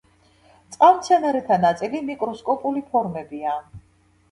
წყალმცენარეთა ნაწილი მიკროსკოპული ფორმებია.